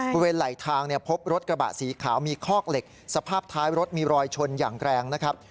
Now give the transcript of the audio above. บริเวณไหลทางเนี่ยพบรถกระบะสีขาวมีคอกเหล็กสภาพท้ายรถมีรอยชนอย่างแรงนะครับ